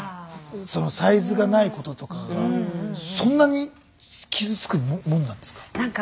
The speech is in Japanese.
サイズがないこととかがそんなに傷つくもんなんですか？